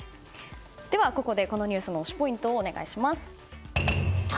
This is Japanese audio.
ではここでこのニュースの推しポイントをお願いします。